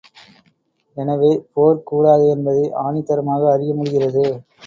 எனவே, போர் கூடாது என்பதை ஆணித்தரமாக அறிய முடிகிறது.